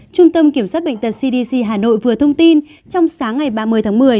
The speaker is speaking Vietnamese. trung tâm kiểm soát bệnh tật cdc hà nội vừa thông tin trong sáng ngày ba mươi tháng một mươi